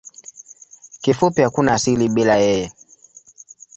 Kifupi hakuna asili bila yeye.